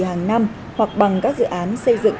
hàng năm hoặc bằng các dự án xây dựng